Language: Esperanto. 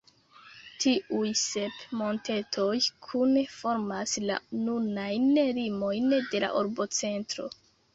Tiuj sep montetoj kune formas la nunajn limojn de la urbocentro.